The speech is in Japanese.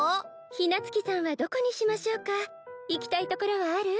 陽夏木さんはどこにしましょうか行きたいところはある？